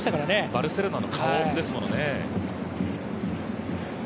バルセロナの顔ですものね。